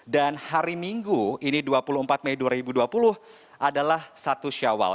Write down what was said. dan hari minggu ini dua puluh empat mei dua ribu dua puluh adalah satu syawal